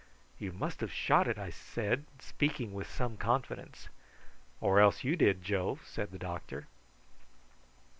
"You must have shot it," I said, speaking with some confidence. "Or else you did, Joe," said the doctor.